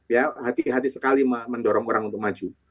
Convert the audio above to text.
ya hati hati sekali mendorong orang untuk maju